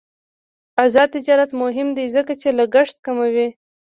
آزاد تجارت مهم دی ځکه چې لګښت کموي.